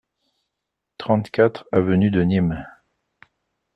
trente-quatre avenue de Nîmes